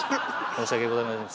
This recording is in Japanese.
申し訳ございません。